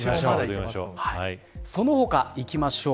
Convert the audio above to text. その他、いきましょう。